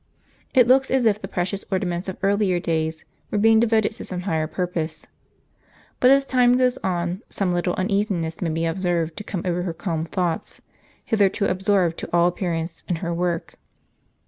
It looks as if the precious orna ments of earlier days were being devoted to some higher purpose. w But as time goes on, some little uneasiness may be ob served to come over her calm thoughts, hitherto absorbed, to all appearance, in her work.